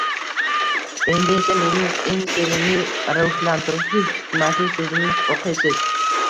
Endi esa mening eng sevimli ruhlantiruvchi hikmatli so’zimni o’qiysiz